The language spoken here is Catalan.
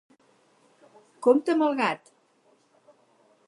Compte amb el gat!